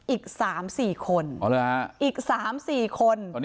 อีกสามสี่คน